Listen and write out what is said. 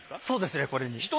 そうですねこれに。